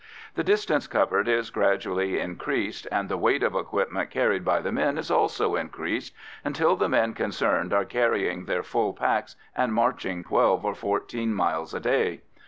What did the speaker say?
The distance covered is gradually increased, and the weight of equipment carried by the men is also increased, until the men concerned are carrying their full packs and marching twelve or fourteen miles a day.